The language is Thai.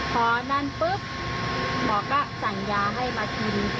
พอนั่นปุ๊บหมอก็สั่งยาให้มากิน